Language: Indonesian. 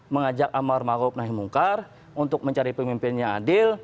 mengajak ammar ma'ruf nahi munkar untuk mencari pemimpin yang adil